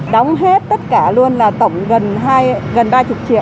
đóng hết tất cả luôn là tổng gần ba mươi triệu